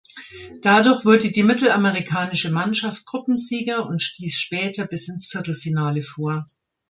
Dadurch wurde die mittelamerikanische Mannschaft Gruppensieger und stieß später bis ins Viertelfinale vor.